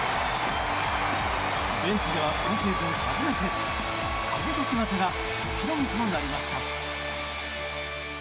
ベンチでは、今シーズン初めてかぶと姿がお披露目となりました。